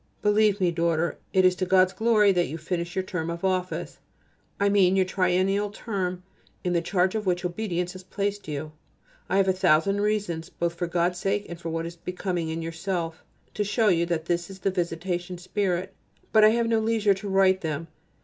Believe me, daughter, it is to God's glory that you finish your term of office. I mean your triennial term in the charge of which obedience has placed you. I have a thousand reasons, both for God's sake and for what is becoming in yourself, to show you that this is the Visitation spirit, but I have no leisure to write them.